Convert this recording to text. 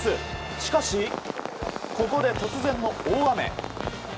しかしここで、突然の大雨。